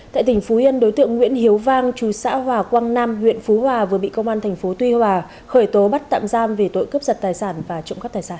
tại tỉnh phú yên đối tượng nguyễn hiếu vang chú xã hòa quang nam huyện phú hòa vừa bị công an tp tuy hòa khởi tố bắt tạm giam về tội cướp giật tài sản và trộm cắp tài sản